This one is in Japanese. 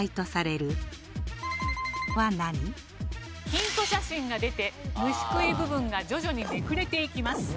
ヒント写真が出て虫食い部分が徐々にめくれていきます。